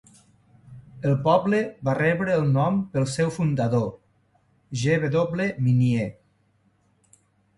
El poble va rebre el nom pel seu fundador, G. W. Minier.